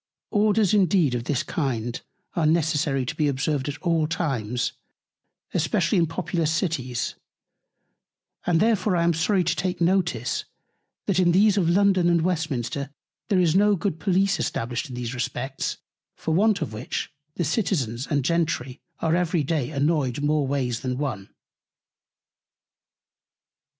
Orders indeed of this kind are necessary to be observed at all times, especially in populous Cities; and therefore I am sorry to take Notice, that in these of London and Westminster there is no good Police established in these Respects; for want of which the Citizens and Gentry are every Day annoyed more ways than one.